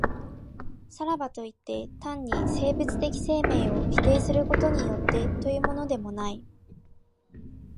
さらばといって、単に生物的生命を否定することによってというのでもない。